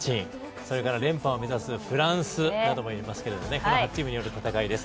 それから連覇を目指すフランスなどもいますけれどこの８チームによる戦いです。